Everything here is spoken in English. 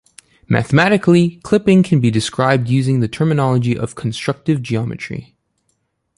Mathematically, clipping can be described using the terminology of constructive geometry.